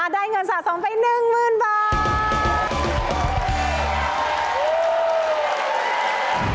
ได้เงินสะสมไป๑หมื่นบาท